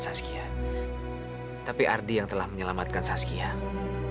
saskia tapi ardi yang telah menyelamatkan saskia iya bu